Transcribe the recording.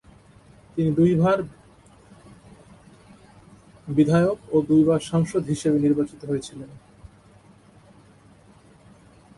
তিনি দুইবার বিধায়ক ও দুইবার সাংসদ হিসেবে নির্বাচিত হয়েছিলেন।